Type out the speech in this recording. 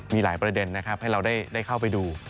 มีหลายประเด็นนะครับให้เราได้เข้าไปดู